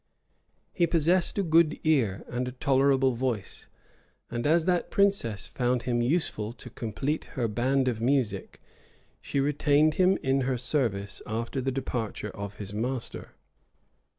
He possessed a good ear, and a tolerable voice; and as that princess found him useful to complete her band of music, she retained him in her service after the departure of his master.